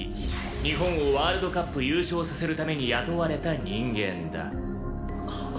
日本をワールドカップ優勝させるために雇われた人間だ。